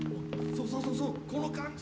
そうそうそうこの感じ！